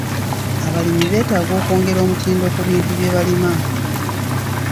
Abalimi beetaaga okwongera omutindo ku bintu bye balima.